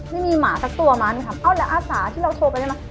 ไม่มีหมาสักตัวมั้งครับเอาแล้วอาสาที่เราโทรไปได้ไหม